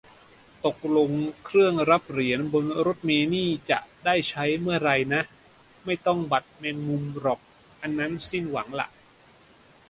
ตกลง เครื่องรับเหรียญบนรถเมล์นี่จะได้ใช้เมื่อไรนะ ไม่ต้องบัตรแมงมุมหรอก อันนั้นสิ้นหวังละ